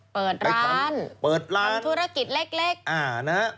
เปิดร้านทำธุรกิจเล็กและทำธุรกิจเล็ก